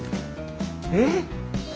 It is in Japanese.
えっ！